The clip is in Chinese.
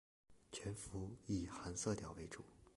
全幅以寒色调为主